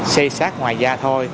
xây xác ngoài da thôi